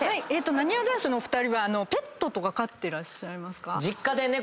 なにわ男子のお二人はペットとか飼ってらっしゃいますか？